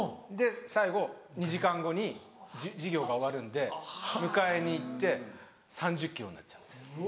最後２時間後に授業が終わるんで迎えに行って３０ｋｍになっちゃうんですよ。